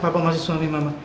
papa masih suami mama